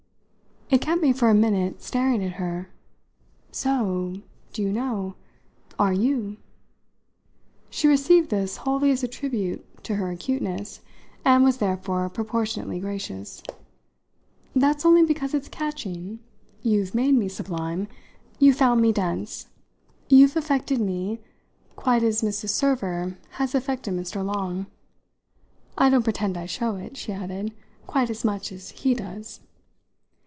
It kept me for a minute staring at her. "So do you know? are you!" She received this wholly as a tribute to her acuteness, and was therefore proportionately gracious. "That's only because it's catching. You've made me sublime. You found me dense. You've affected me quite as Mrs. Server has affected Mr. Long. I don't pretend I show it," she added, "quite as much as he does."